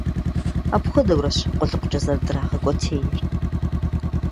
Апхуэдэурэщ къулыкъукӀэ зэрыдрагъэкӀуэтейр.